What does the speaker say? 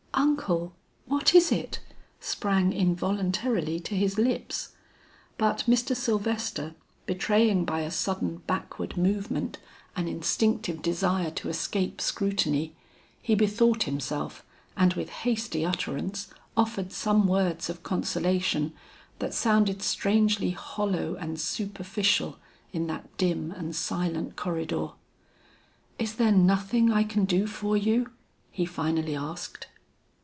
"Uncle, what is it?" sprang involuntarily to his lips. But Mr. Sylvester betraying by a sudden backward movement an instinctive desire to escape scrutiny, he bethought himself, and with hasty utterance offered some words of consolation that sounded strangely hollow and superficial in that dim and silent corridor. "Is there nothing I can do for you?" he finally asked.